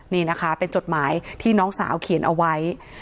นี่นะคะเป็นจดหมายที่น้องสาวเขียนเอาไว้